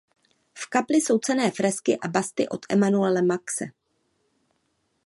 V kapli jsou cenné fresky a busty od Emanuela Maxe.